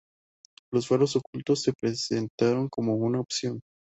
Los faros ocultos se presentaron como una opción.